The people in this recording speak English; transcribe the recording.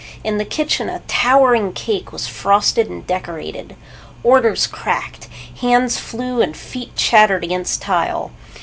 In the kitchen, a towering cake was frosted and decorated. Orders cracked. Hands flew and feet chattered against tile.